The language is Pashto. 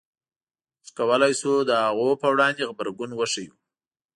موږ کولای شو د هغوی په وړاندې غبرګون وښیو.